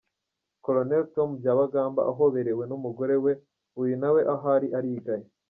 Col. Tom Byabagamba ahoberewe n’umugorowe, uyu nawe aho ari arigaya